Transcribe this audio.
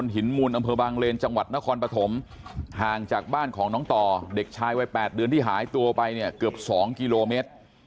ห่างจากบ้านของน้องต่อเด็กชายวัย๘เดือนที่หายตัวไปเนี่ยเกือบ๒กิโลเมตร